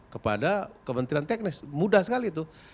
kepada kementerian teknis mudah sekali itu